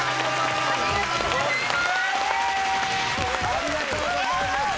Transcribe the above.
ありがとうございます！